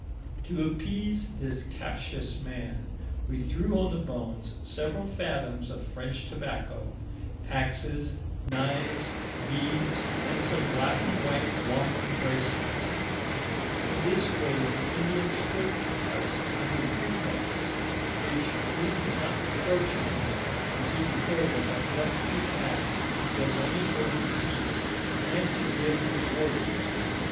To appease this captious man, we threw on the bones several fathoms of French tobacco, axes, knives, beads, and some black and white wampum bracelets. DIBOOYBBIES IK THE MIBBISSIPPI TALLBT. idi In this way the Indian stripped us under pretexts, which we could not reproach him with, as he declared that what he asked was only for the deceased, and to give the warriors.